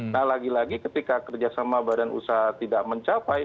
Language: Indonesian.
nah lagi lagi ketika kerjasama badan usaha tidak mencapai